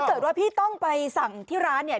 เกิดว่าพี่ต้องไปสั่งที่ร้านเนี่ย